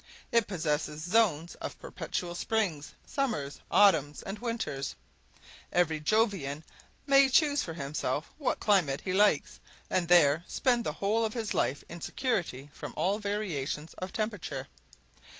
It possesses zones of perpetual springs, summers, autumns, and winters; every Jovian may choose for himself what climate he likes, and there spend the whole of his life in security from all variations of temperature.